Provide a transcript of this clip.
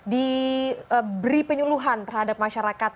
diberi penyeluhan terhadap masyarakat